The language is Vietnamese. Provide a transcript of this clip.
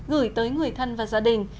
gửi tới người thân và gia đình